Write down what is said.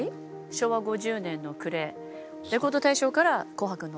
昭和５０年の暮れレコード大賞から「紅白」の。